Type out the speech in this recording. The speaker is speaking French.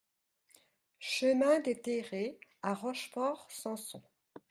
Chemin des Terrets à Rochefort-Samson